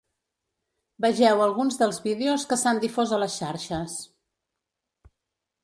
Vegeu alguns dels vídeos que s’han difós a les xarxes.